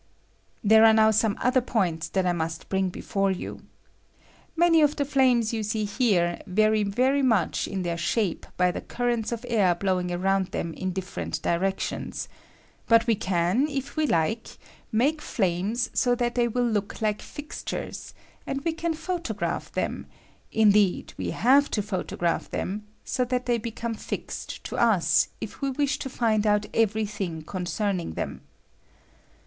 There are now some other points that I must bring before you. Many of the flames you see here vary very much in their shape by the currents of air blowing around them in different directions ; but we can, if we like, make flames so that they will look Uke fixtures, and we can 1 k i w ■^^^ ■wisli 1^^ with an W I . mi FLAMES OF BIFFEHENT SHAPES. 35 photograph them — indeed, we have to photo graph them — BO that they become fixed to us, if we wish to find cat every thing concerning them.